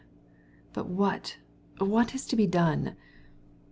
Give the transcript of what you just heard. But what, what is to be done?"